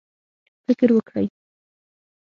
فکر وکړئ